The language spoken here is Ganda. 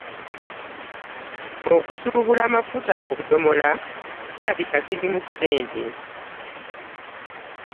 Okusuubula amafuta mu bidomola kirabika kirimu ssente.